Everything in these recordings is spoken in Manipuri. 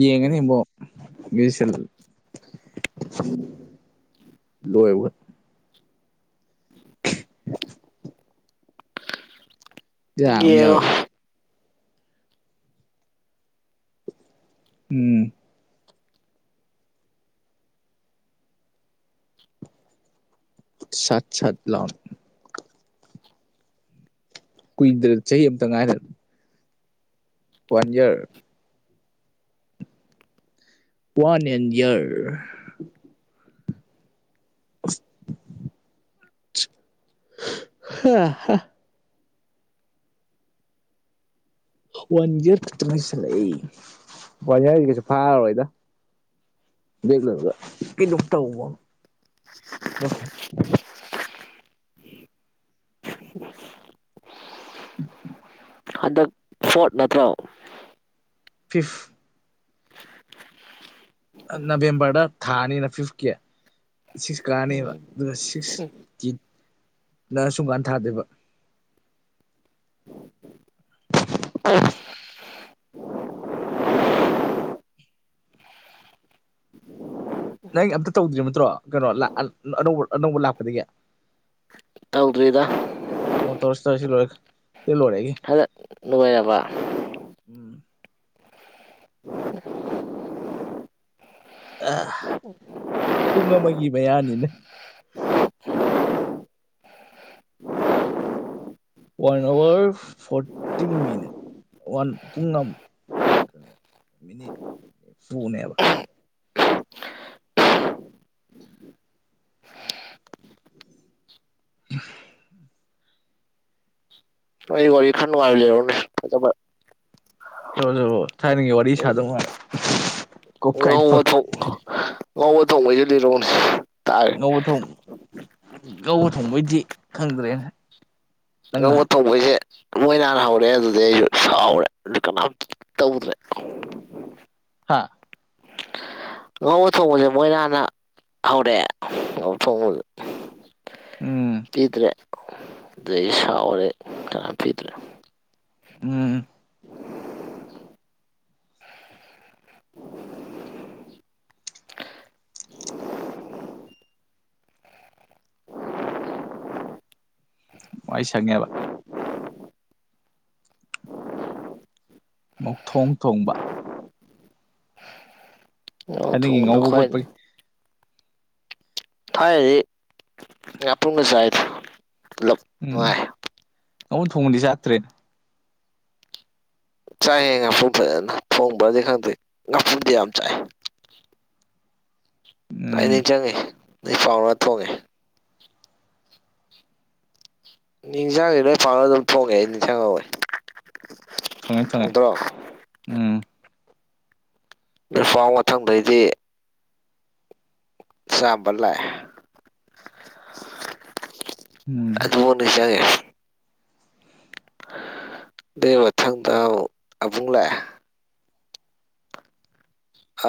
ꯌꯦꯡꯉꯅꯤ ꯕꯣ ꯒꯔꯦꯖ꯭ꯋꯦꯁꯟ ꯂꯣꯏꯔꯕꯣ [unintelligible] ꯌꯥꯝ ꯌꯦꯡꯉꯣ ꯌꯥꯎꯋꯦ ꯎꯝ ꯁꯠ ꯁꯠ ꯂꯥꯎꯅ ꯀꯨꯏꯗ ꯆꯍꯤ ꯑꯃꯇꯪ ꯉꯥꯏꯔ one year one and year [unintelligible] one year ꯈꯠꯇ ꯉꯥꯏꯁꯜꯂꯛꯑꯦ ꯋꯥꯟ ꯏꯌꯔꯗꯤ ꯀꯩꯁꯨ ꯐꯥꯔꯔꯣꯏꯗ ꯕꯦꯛ ꯂꯣꯏꯕꯒ ꯀꯩꯅꯣꯝ ꯇꯧꯕ ꯍꯟꯗꯛ ꯐꯣꯔꯠ ꯅꯠꯇ꯭ꯔꯣ ꯐꯤꯐꯠ [unintelligible] ꯑꯥ ꯅꯕꯦꯝꯕꯔꯗ ꯊꯥꯅꯤꯅ ꯐꯤꯐꯀꯤ ꯁꯤꯛꯁ ꯀꯥꯅꯤꯕ ꯎꯝ ꯑꯗꯨꯒ ꯁꯤꯛꯁ ꯒꯤꯠꯅ ꯁꯨꯝꯀꯥꯟ ꯊꯥꯗꯣꯢꯕ ꯅꯪꯒꯤ ꯑꯝꯇ ꯇꯧꯗ꯭ꯔꯤꯕ ꯅꯠꯇ꯭ꯔꯣ ꯀꯩꯅꯣ ꯂꯥꯛ ꯑꯅꯧꯕ ꯑꯅꯧꯕ ꯂꯥꯛꯄꯗꯒꯤ ꯇꯧꯗ꯭ꯔꯤꯗ ꯑꯣ ꯇꯧꯔꯁꯤ ꯇꯧꯔꯁꯤ ꯁꯤ ꯂꯣꯏꯔꯒ ꯁꯤꯅ ꯂꯣꯏꯔꯦ ꯑꯩꯒꯤ ꯍꯟꯗꯛ ꯅꯨꯡꯉꯥꯏꯌꯦꯕ ꯎꯝ ꯑꯥ ꯄꯨꯡ ꯑꯃꯒꯤ ꯃꯌꯥꯅꯤꯅꯦ one hour forty minute one ꯄꯨꯡ ꯑꯝꯃꯨꯛ ꯃꯤꯅꯤꯠ ꯇꯨ ꯅꯦꯕ [unintelligible] ꯅꯣꯢ ꯋꯥꯔꯤ ꯈꯥ ꯅꯨꯉꯥꯏꯕ ꯂꯤꯔꯛꯎꯅꯦ ꯐꯖꯕ ꯂꯤꯔꯛꯑꯣ ꯂꯤꯔꯛꯑꯣ ꯊꯥꯏꯅꯒꯤ ꯋꯥꯔꯤ ꯁꯥꯗꯧ ꯀꯣꯛꯀꯥꯏ ꯉꯧꯕ ꯇꯧꯋꯦ ꯊꯣꯡ ꯉꯧꯕ ꯊꯣꯡꯕꯩꯗꯣ ꯂꯤꯔꯛꯑꯣꯅꯦ ꯉꯧꯕ ꯊꯣꯡ ꯉꯧꯕ ꯊꯣꯡꯕꯩꯗꯤ ꯈꯪꯗ꯭ꯔꯦꯅꯦ ꯅꯪꯅ ꯉꯧꯕ ꯊꯣꯡꯕꯩꯁꯦ ꯃꯣꯏꯅ ꯍꯥꯟ ꯍꯧꯔꯛꯑꯦ ꯑꯗꯨꯗꯩ ꯑꯩꯁꯨ ꯁꯥꯎꯔꯦ ꯑꯗꯨ ꯀꯅꯥꯝꯇ ꯇꯧꯗ꯭ꯔꯦ ꯍꯥ ꯉꯧꯕ ꯊꯣꯡꯕꯁꯦ ꯃꯣꯏꯅ ꯍꯥꯟꯅ ꯍꯧꯔꯛꯑꯦ ꯉꯧꯕ ꯊꯣꯡꯕꯗ ꯎꯝ ꯄꯤꯗ꯭ꯔꯦ ꯑꯗꯩꯗꯤ ꯁꯥꯎꯔꯦ ꯀꯅꯥꯝ ꯄꯤꯗ꯭ꯔꯦ ꯎꯝ ꯋꯥꯏ ꯁꯪꯉꯦꯕ ꯉꯧꯊꯣꯡ ꯊꯣꯡꯕ ꯉꯧ ꯑꯗꯨꯒꯤ ꯊꯣꯡꯕꯅ ꯉꯧꯕ ꯈ꯭ꯋꯥꯏ ꯈꯣꯠꯄꯒꯤ ꯊꯥꯏꯅꯗꯤ ꯉꯥꯄ꯭ꯔꯨꯝꯒ ꯆꯥꯏꯗ ꯂꯧ ꯎꯝ [unintelligible] ꯊꯣꯡꯕꯗꯤ ꯆꯥꯛꯗ꯭ꯔꯤ ꯆꯥꯏꯑꯦ ꯉꯥꯄ꯭ꯔꯨꯝ ꯐꯖꯅ ꯊꯣꯡꯕꯗꯤ ꯈꯪꯗꯦ ꯉꯥꯄ꯭ꯔꯨꯝꯗꯤ ꯌꯥꯝ ꯆꯥꯏ ꯑꯩ ꯎꯝ ꯅꯤꯡꯖꯤꯡꯉꯦ ꯅꯣꯏ ꯄꯥꯎꯅ ꯊꯣꯡꯉꯦ ꯅꯤꯡꯖꯪꯉꯦ ꯂꯣꯏ ꯄꯥꯎꯅ ꯑꯗꯨꯝ ꯊꯣꯡꯉꯦ ꯑꯩ ꯅꯤꯡꯖꯪꯍꯧꯋꯦ ꯊꯣꯡꯉꯦ ꯊꯣꯡꯉꯦ ꯎꯝ ꯅꯣꯏꯄꯥꯎ ꯃꯊꯪꯗꯩꯗꯤ ꯆꯥꯕ ꯂꯥꯛꯑꯦ ꯎꯝ ꯑꯗꯨꯐꯥꯎ ꯅꯤꯡꯖꯪꯉꯦ ꯑꯗꯨꯏ ꯃꯊꯪꯗ ꯑꯕꯨꯡ ꯂꯥꯛꯑꯦ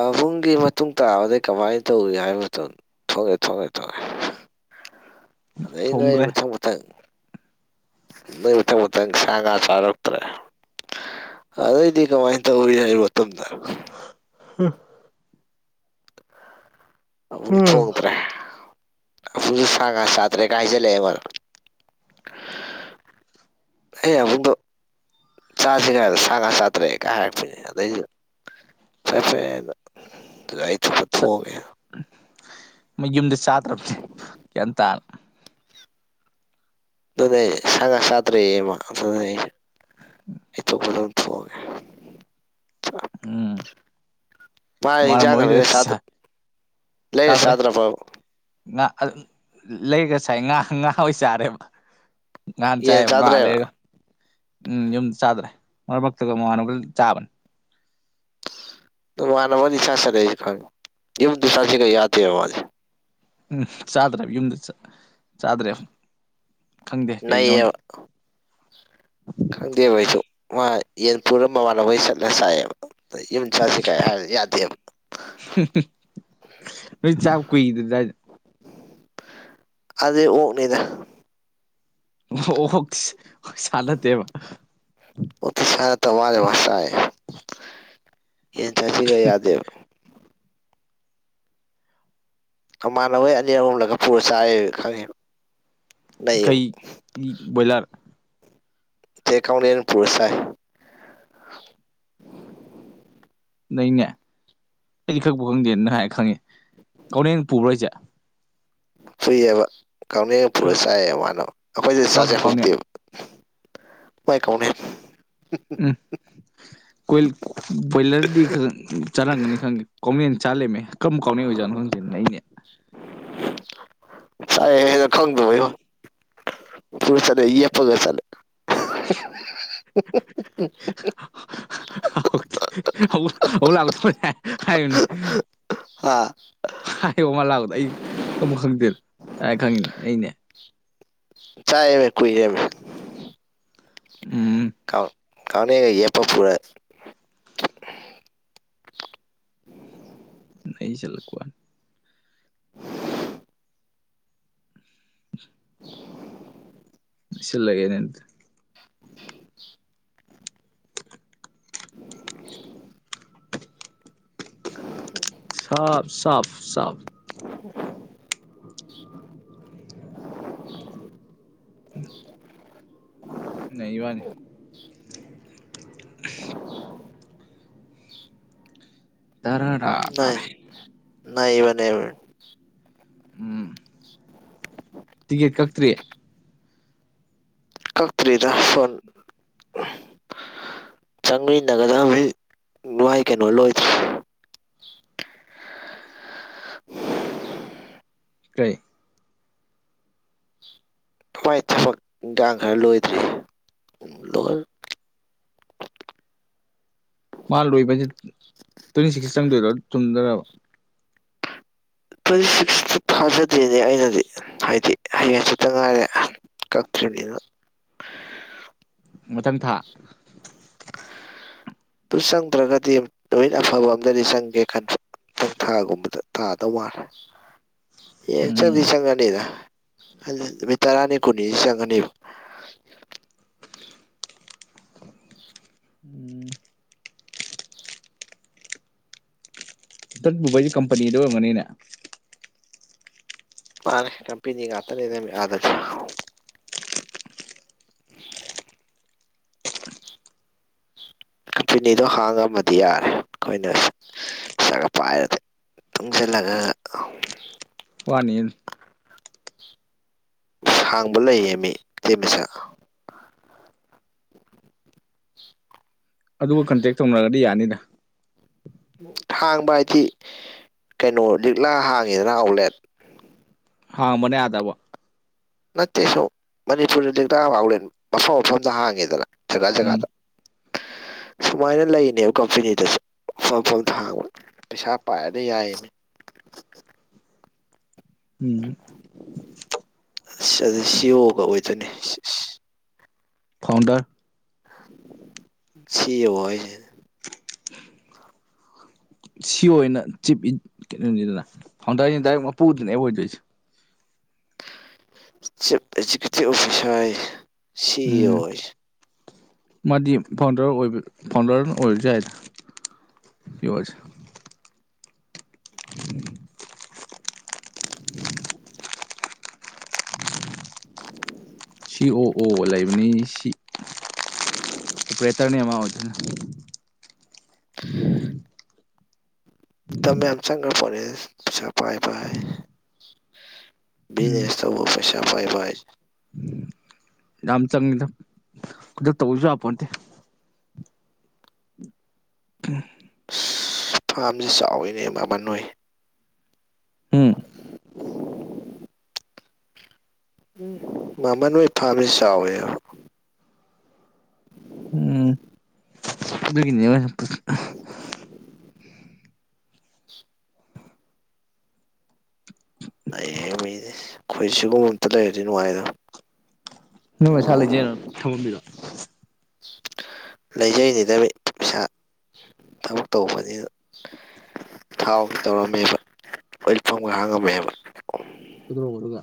ꯑꯕꯨꯡꯒꯤ ꯃꯇꯨꯡ ꯇꯥꯕꯗꯩ ꯀꯃꯥꯏꯅ ꯇꯧꯏ ꯍꯥꯏꯕ ꯃꯇꯝ ꯊꯣꯛꯂꯦ ꯊꯣꯛꯂꯦ ꯊꯣꯛꯂꯦ [inaudible] ꯑꯗꯩ ꯅꯣꯏ ꯊꯣꯡꯗ꯭ꯔꯦ ꯃꯊꯪ ꯃꯊꯪ ꯅꯣꯏ ꯃꯊꯪ ꯃꯊꯪ ꯁꯥ ꯉꯥ ꯆꯥꯔꯛꯗ꯭ꯔꯦ ꯑꯗꯩꯗꯤ ꯀꯃꯥꯏꯅ ꯇꯧꯋꯤ ꯍꯥꯏꯕ ꯃꯇꯝꯗ ꯍ [inaudible] ꯑꯕꯨꯡ ꯊꯣꯡꯗ꯭ꯔꯦ ꯑꯄꯨꯡꯁꯨ ꯁꯥ ꯉꯥ ꯆꯥꯗ꯭ꯔꯦꯒ ꯍꯥꯏꯖꯜꯂꯛꯑꯦ ꯑꯩꯉꯣꯟꯗ ꯑꯩ ꯑꯕꯨꯡꯗꯣ ꯆꯥꯁꯤꯔ ꯁꯥ ꯉꯥ ꯆꯥꯗ꯭ꯔꯦꯒ ꯍꯥꯏꯔꯛꯕꯤꯅꯦ ꯑꯗꯩꯗꯤ ꯐꯥꯔꯦ ꯐꯥꯔꯦꯅ ꯑꯗꯩꯗꯤ ꯆ ꯃꯌꯨꯝꯗ ꯆꯥꯗ꯭ꯔꯕꯅꯦ ꯒ꯭ꯌꯥꯟ ꯇꯥꯅ ꯑꯗꯨꯅꯦ ꯁꯥꯉꯥ ꯆꯥꯗ꯭ꯔꯦꯌꯦ ꯃꯥ ꯑ [unintelligible] [inaudible] ꯄꯨꯂꯞ ꯊꯣꯡꯉꯦ ꯎꯝ ꯃꯥ ꯃꯃꯥꯟꯅꯕ ꯏꯟꯖꯥꯡꯒ ꯍꯣꯏꯗꯗꯤ ꯂꯩꯔ ꯆꯥ ꯂꯩꯔ ꯆꯥꯗ꯭ꯔꯦ ꯆꯥꯗ꯭ꯔꯕꯕ ꯉꯥ ꯑ ꯂꯩꯔꯒ ꯆꯥꯏ ꯉꯥ ꯉꯥ ꯑꯣꯏ ꯆꯥꯔꯦꯕ ꯉꯍꯥꯟ ꯌꯦꯟ ꯆꯥꯏꯑꯦꯕ ꯉꯥ ꯆꯥꯗ꯭ꯔꯦꯕ ꯂꯩꯔꯒ ꯎꯝ ꯌꯨꯝꯗ ꯆꯥꯗ꯭ꯔꯦ ꯃꯔꯛ ꯃꯔꯛꯇ ꯃꯃꯥꯟꯅꯕꯒ ꯆꯥꯕ ꯃꯃꯥꯟꯅꯕꯒꯗꯤ ꯆꯥꯛ ꯆꯥꯅꯩ ꯑꯩꯖꯨ ꯈꯪꯉꯦ ꯌꯨꯝꯗ ꯆꯥꯖꯦꯒ ꯌꯥꯗꯦꯕ ꯎꯝ ꯆꯥꯗ꯭ꯔꯦꯕ ꯌꯨꯝꯗ ꯆꯥꯗ꯭ꯔꯦꯕ ꯈꯪꯗꯦ ꯀꯩꯒꯤꯅꯣꯗꯤ ꯅꯩꯑꯦꯕ ꯈꯪꯗꯦꯕ ꯑꯩꯁꯨ ꯃꯥ ꯌꯦꯟ ꯄꯨꯔ ꯃꯃꯥꯟꯅꯕꯩ ꯆꯠꯂ ꯆꯥꯏꯌꯦꯕ ꯌꯨꯝ ꯆꯥꯁꯦꯒ ꯀꯥꯏ ꯍꯥꯏ ꯌꯥꯗꯦꯕ ꯅꯣꯏ ꯆꯥꯕ ꯀꯨꯏꯗ꯭ꯔꯤꯗꯥꯏꯅꯦ ꯑꯗꯨꯗꯤ ꯑꯣꯛꯅꯤꯗ ꯑꯣꯛ ꯇꯤ ꯁꯥ ꯅꯠꯇꯦꯕ ꯑꯣꯛꯇꯤ ꯁꯥ ꯅꯠꯇ ꯃꯥꯜꯂꯦ ꯃꯥ ꯆꯥꯏ ꯌꯦꯟ ꯆꯥꯖꯤꯒ ꯌꯥꯗꯦ ꯀꯃꯥꯟꯅꯕꯣꯏ ꯑꯅꯤꯔꯛ ꯑꯍꯨꯝꯂꯛꯀ ꯄꯨꯔ ꯆꯥꯏꯑꯦꯕ ꯈꯪꯉꯦꯕ ꯅꯩꯌꯦꯕ ꯀꯩ ꯢ ꯕꯣꯏꯂꯥꯔ ꯅꯠꯇꯦ ꯀꯥꯎꯅ ꯌꯦꯟ ꯄꯨꯔ ꯆꯥꯢ ꯅꯩꯅꯦ ꯑꯩꯗꯤ ꯈꯪꯕꯨ ꯈꯪꯗꯦ ꯅꯪꯅ ꯍꯥꯏ ꯈꯪꯉꯦ ꯀꯥꯎꯅ ꯌꯦꯟ ꯄꯨꯕ꯭ꯔꯣ ꯍꯥꯢꯁꯦ ꯄꯨꯏꯑꯦꯕ ꯀꯥꯎꯅ ꯌꯦꯟ ꯄꯨꯔ ꯆꯥꯏꯌꯦꯕ ꯃꯥꯅ ꯑꯩꯈꯣꯏꯗꯗꯤ ꯆꯥꯁꯦ ꯀꯔꯝꯕ ꯀꯥꯎꯅꯦꯟ ꯍꯥꯎꯗꯦꯕ ꯃꯥꯏ ꯀꯥꯎꯅ ꯌꯦꯟ [inaudible] ꯕꯣꯏꯂꯔꯗꯤ ꯈꯔ ꯆꯥꯔꯝꯒꯅꯤ ꯈꯪꯗꯦ ꯀꯥꯎꯅ ꯌꯦꯟ ꯆꯥ ꯂꯩꯔꯝꯃꯦ ꯀꯔꯝꯕ ꯀꯥꯎꯅ ꯑꯣꯏꯖꯥꯠꯅꯣ ꯈꯪꯗꯦꯅꯦ ꯑꯩꯗꯤ [inaudible] ꯄꯨꯔꯒ ꯆꯠꯂꯦ ꯌꯦꯞꯄꯒ ꯆꯠꯂꯦ [inaudible] ꯍꯥ ꯍꯥꯏ ꯃꯥ ꯂꯥꯛꯄꯗꯣ ꯑꯩ ꯈꯪꯕꯨ ꯈꯪꯗꯦꯕꯦ ꯅꯪ ꯍꯥꯢꯔ ꯈꯪꯉꯤꯅꯦ ꯑꯩꯅꯦ ꯆꯥꯢꯑꯦꯃꯤ ꯀꯨꯏꯔꯦꯃꯤ ꯎꯝ ꯀꯥꯎꯅ ꯌꯦꯟ ꯌꯦꯞꯄ ꯄꯨꯔꯛ ꯅꯩꯁꯜꯂꯛꯄ ꯋꯥꯅꯦ [inaudible] [inaudible] ꯁꯤꯜꯂꯒꯦꯅꯦ ꯑꯗꯨꯗꯤ [inaudible] [inaudible] [inaudible] ꯁꯥꯐ ꯁꯥꯐ ꯁꯥꯐ [inaudible] [inaudible] ꯅꯩꯕꯋꯥꯅꯤ [inaudible] [inaudible] ꯇꯔꯥꯔꯥ ꯅꯥꯢ ꯇꯥꯔꯦ ꯅꯩꯕꯅꯦꯃꯤ ꯎꯝ [inaudible] ꯇꯤꯀꯦꯠ ꯀꯛꯇ꯭ꯔꯤ ꯀꯛꯇ꯭ꯔꯤꯗ ꯐꯣꯟ ꯆꯪꯃꯤꯟꯅꯒꯗ ꯃꯤ ꯃꯣꯏ ꯀꯩꯅꯣ ꯂꯣꯏꯗ꯭ꯔꯤ ꯀꯩ ꯍꯣꯏ ꯊꯕꯛ ꯏꯟꯈꯥꯡ ꯈꯔ ꯂꯣꯏꯗ꯭ꯔꯤ ꯂꯣꯢꯔ ꯃꯥ ꯂꯣꯏꯕꯁꯦ ꯇ꯭ꯋꯦꯟꯇꯤ ꯁꯤꯛꯁꯇ ꯆꯪꯗꯣꯏꯔꯣ ꯆꯨꯝꯗꯣꯢꯔꯕ ꯇ꯭ꯋꯦꯟꯇꯤ ꯁꯤꯛꯁꯇꯤ ꯊꯥꯖꯗꯦꯅꯦ ꯑꯩꯅꯗꯤ ꯍꯥꯏꯗꯤ ꯍꯌꯦꯡ ꯍꯪꯆꯤꯠꯇ ꯉꯥꯏꯔꯦ ꯀꯛꯇ꯭ꯔꯤꯕꯅꯤꯅ ꯃꯊꯪ ꯊꯥ [inaudible] ꯑꯗꯨ ꯆꯪꯗ꯭ꯔꯒꯗꯤ ꯅꯨꯃꯤꯠ ꯑꯐꯕ ꯑꯝꯗꯗꯤ ꯆꯪꯒꯦ ꯈꯟꯕ ꯃꯊꯪ ꯊꯥꯒꯨꯝꯕꯗ ꯇꯥꯗꯧ ꯃꯥꯜꯂꯦ [inaudible] ꯑꯦ ꯆꯪꯗꯤ ꯎꯝ ꯆꯪꯉꯅꯤꯗ ꯍꯥꯢꯗꯤ ꯅꯨꯃꯤꯠ ꯇꯔꯥꯅꯤ ꯀꯨꯟꯅꯤꯁꯤꯗ ꯆꯪꯉꯅꯤꯕ ꯎꯝ ꯇꯟꯒꯨꯝꯕ ꯀꯝꯄꯅꯤꯗ ꯑꯣꯏꯔꯝꯒꯅꯤꯅꯦ ꯃꯥꯥꯅꯦ ꯀꯝꯄꯦꯅꯤ ꯉꯥꯛꯇꯅꯦ ꯑꯥꯗꯗꯤ [inaudible] ꯀꯝꯄꯦꯅꯤꯗꯣ ꯍꯥꯡꯉꯝꯃꯗꯤ ꯌꯥꯔꯦ ꯑꯩꯈꯣꯏꯅ ꯄꯩꯁꯥꯒ ꯄꯥꯏꯔꯗꯤ ꯇꯨꯡꯖꯜꯂꯒ ꯋꯥꯅꯤꯌꯦ ꯍꯥꯡꯕ ꯂꯩꯌꯦ ꯃꯤ ꯇꯩ ꯃꯆꯥ ꯑꯗꯨꯒ ꯀꯟꯇꯦꯛ ꯇꯧꯅꯔꯒꯗꯤ ꯌꯥꯅꯤꯗ ꯍꯥꯡꯕ ꯍꯥꯏꯗꯤ ꯀꯩꯅꯣ ꯂꯤꯛꯂꯥ ꯍꯥꯡꯉꯤꯗꯅ ꯑꯥꯎꯠꯂꯦꯠ ꯍꯥꯡꯕꯅꯦ ꯑꯥꯗꯕꯨ ꯅꯠꯇꯦꯁꯨꯝ ꯃꯅꯤꯄꯨꯔꯗ ꯂꯤꯛꯂꯥ ꯑꯥꯎꯂꯦꯠ ꯃꯐꯝ ꯃꯐꯝꯗ ꯍꯥꯡꯉꯦꯗꯅ ꯖꯒꯥ ꯖꯒꯥꯗ [inaudible] ꯁꯨꯃꯥꯏꯅ ꯂꯩꯅꯦꯕ ꯀꯝꯄꯦꯅꯤꯗꯁꯨ ꯃꯐꯝ ꯃꯐꯝ ꯊꯥꯡꯕ ꯄꯩꯁꯥ ꯄꯥꯏꯔꯗꯤ ꯌꯥꯏꯌꯦꯃꯤ [inaudible] ꯎꯝ ꯑꯁ ꯑꯗꯨ ꯁꯤꯌꯣꯒ ꯑꯣꯏꯗꯣꯏꯅꯦ ꯁꯦꯁ ꯐꯥꯎꯟꯗꯔ ꯁꯤꯌꯣ ꯍꯥꯏꯖꯦ [unintelligible] ꯁꯤ ꯑꯣ ꯑꯣꯏꯅ ꯆꯤꯞ ꯀꯩꯅꯣꯅꯤꯗꯅ ꯐꯥꯎꯟꯗꯔ ꯍꯥꯏꯁꯤꯅ ꯗꯥꯏꯔꯦꯛ ꯃꯄꯨꯗꯨꯅꯦ ꯑꯣꯏꯗꯣꯏꯁꯦ ꯆꯤꯐ ꯑꯦꯖꯨꯀꯦꯇꯤꯞ ꯑꯣꯐꯤꯁꯥꯔ ꯍꯥꯏꯁꯦ ꯁꯤ ꯑꯣ ꯎꯝ ꯍꯥꯏꯁꯦ ꯃꯥꯗꯤ ꯐꯥꯎꯟꯗꯔ ꯑꯣꯏꯕ ꯐꯥꯎꯟꯗꯔꯅ ꯑꯣꯏꯔꯁꯨ ꯌꯥꯏꯗ ꯌꯣꯔꯁ [unintelligible] [unintelligible] [inaudible] ꯁꯤ ꯑꯣ ꯑꯣ ꯂꯩꯕꯅꯤ ꯁꯤ ꯑꯣꯄꯔꯦꯇꯔꯅꯦ ꯃꯥ ꯑꯣꯏꯗꯨꯅ ꯇꯝ ꯌꯥꯝ ꯆꯪꯈ꯭ꯔꯄꯣꯠꯅꯤ ꯄꯥꯁꯥ ꯄꯥꯏꯕ ꯍꯥꯏ ꯎꯝ ꯕꯤꯖꯤꯅꯦꯁ ꯇꯧꯕ ꯄꯩꯁꯥ ꯄꯥꯏꯕ ꯍꯥꯏꯁꯦ ꯌꯥꯝ ꯆꯪꯉꯤꯗ ꯑꯗꯨ ꯇꯧꯔꯁꯨ ꯌꯥꯄꯣꯠꯇꯦ [unintelligible] ꯑꯁ ꯐꯥꯝꯁꯦ ꯆꯥꯎꯋꯤꯅꯦ ꯃꯥꯝꯍꯟ ꯅꯣꯏ ꯎꯝ [unintelligible] ꯎꯝ ꯃꯥꯝꯍꯟ ꯍꯣꯏ ꯐꯥꯝꯁꯤ ꯆꯥꯎꯋꯦꯍꯦ ꯎꯝ ꯑꯗꯨꯒꯤꯅꯦ [unintelligible] [inaudible] ꯂꯩꯌꯦ ꯃꯤꯗꯤ ꯑꯩꯈꯣꯏ ꯁꯤꯒꯨꯝꯕ ꯑꯝꯇ ꯂꯩꯔꯗꯤ ꯅꯨꯡꯉꯥꯏꯒꯗꯃꯤ ꯅꯣꯏ ꯃꯁꯥꯅ ꯂꯩꯖꯩꯔꯣ ꯊꯝꯃꯝꯃꯤꯔꯣ ꯂꯩꯖꯩꯅꯤꯗ ꯃꯤ ꯄꯤꯁꯥ ꯊꯕꯛ ꯇꯧꯕꯅꯤꯅ ꯊꯥꯎ ꯇꯧꯔꯝꯃꯦꯕ ꯑꯣꯏꯜ ꯄꯝꯒ ꯍꯥꯡꯉꯝꯃꯦꯕ ꯀꯩꯗꯧꯔꯕ ꯑꯗꯨꯒ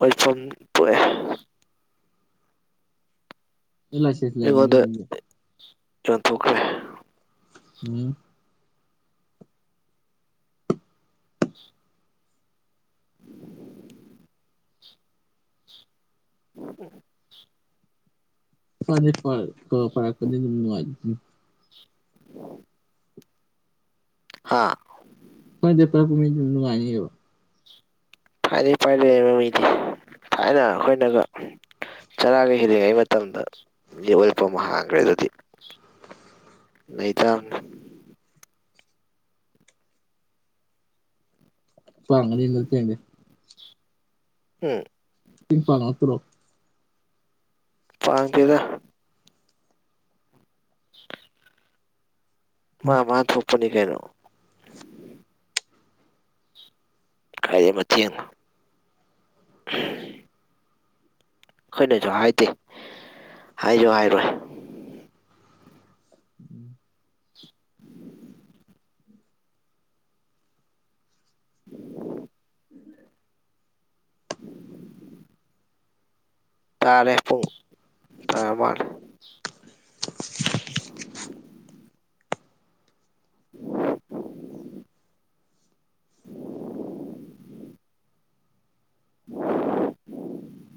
ꯑꯣꯏꯜ ꯐꯝ ꯇꯣꯛꯑꯦ ꯑꯩ ꯂꯥꯏꯁꯦꯟꯁ ꯂꯩꯔꯝꯒꯅꯤ ꯑꯩꯉꯣꯟꯗ ꯑꯗꯨꯗꯤ ꯌꯣꯟꯊꯣꯛꯈ꯭ꯔꯦ ꯍꯨꯝ ꯎꯝ ꯐꯗꯤ ꯐꯩ ꯀꯨꯜ ꯀꯥꯔꯛꯄꯗꯒꯤ ꯃꯨꯛ ꯅꯨꯡꯉꯥꯏ ꯍꯥꯥ ꯑ [unintelligible] ꯃꯤꯅꯨꯡꯉꯥꯏꯣ ꯊꯥꯏꯅ ꯄꯥꯏꯔꯦꯕ ꯃꯤꯗꯤ ꯊꯥꯏꯅ ꯑꯩꯈꯣꯏꯅꯒ ꯆꯔꯥꯒ ꯍꯦꯜꯂꯤꯉꯩ ꯃꯇꯝꯗ ꯃꯤ ꯑꯣꯏꯜ ꯄꯝ ꯍꯥꯡꯈ꯭ꯔꯦ ꯑꯗꯨꯗꯤ ꯂꯩꯇꯥꯕꯅꯤ [unintelligible] ꯍꯝ [unintelligible] ꯄꯥꯝꯗꯦꯗꯥ ꯃꯥ ꯃꯥ ꯊꯣꯛꯄꯅꯤ ꯀꯩꯅꯣ ꯀꯥꯢꯗꯩ [unintelligible] [inaudible] ꯈꯣꯏꯅꯁꯨ ꯍꯥꯏꯗꯦ ꯍꯥꯏꯁꯨ ꯍꯥꯏꯔꯣꯏ [inaudible] ꯇꯥꯔꯦ ꯄꯨꯡ ꯇꯥꯔ ꯃꯥꯜꯂꯦ [inaudible] [inaudible] [inaudible]